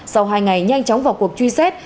sau hai ngày nhanh chóng vào cuộc truy xét